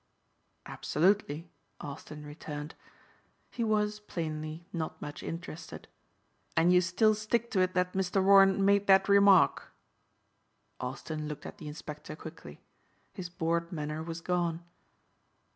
"Absolutely," Austin returned. He was, plainly, not much interested. "And you still stick to it that Mr. Warren made that remark?" Austin looked at the inspector quickly. His bored manner was gone.